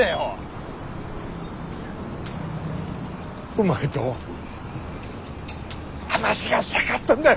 お前と話がしたかったんだよ！